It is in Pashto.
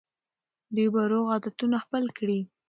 دوی به روغ عادتونه خپل کړي.